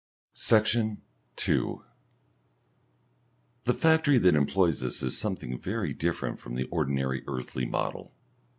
Section 2 The factory that employs us is something very different from the ordinary earthly model.